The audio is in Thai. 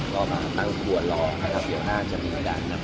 รอมาตั้งบัวรอนะครับเดี๋ยวห้างจะมีหักหัว